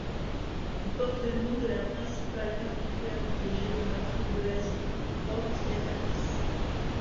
Il porte le nom de la principale particularité géographique de la zone: Port Stephens.